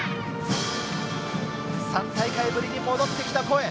３大会ぶりに戻ってきた声。